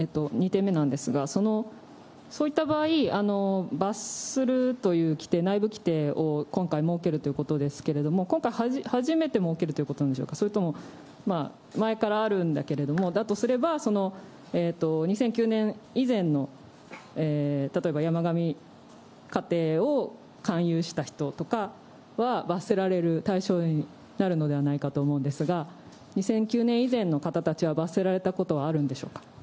２点目なんですが、そういった場合、罰するという規定、内部規定を今回設けるということですけれども、今回初めて設けるということなんでしょうか、それとも前からあるんだけれども、だとすれば、２００９年以前の例えば山上家庭を勧誘した人とかは、罰せられる対象になるのではないかと思うのですが、２００９年以前の方々は罰せられたことはあるんでしょうか。